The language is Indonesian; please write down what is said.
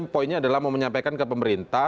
poinnya adalah mau menyampaikan ke pemerintah